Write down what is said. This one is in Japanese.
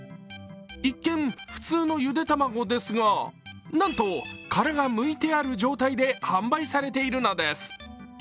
一見、ふつうのゆで卵ですがなんと、殻がむいてある状態で販売されているのです。